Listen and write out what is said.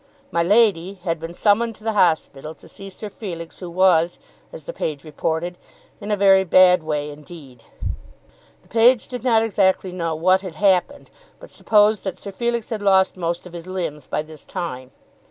"My lady" had been summoned to the hospital to see Sir Felix who was, as the page reported, in a very bad way indeed. The page did not exactly know what had happened, but supposed that Sir Felix had lost most of his limbs by this time.